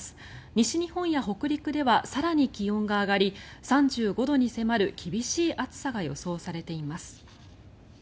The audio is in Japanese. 西日本や北陸では更に気温が上がり３５度に迫る厳しい暑さが予想されています。